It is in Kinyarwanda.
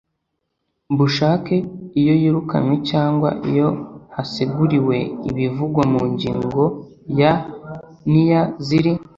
bushake iyo yirukanywe cyangwa iyo haseguriwe ibivugwa mu ngingo ya n iya z iri